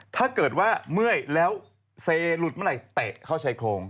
ถ้าเกิดว่าเมื่อยแล้วเซหลุดเมื่อไหร่เตะเข้าชายโครง